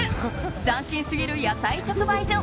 斬新すぎる野菜直売所。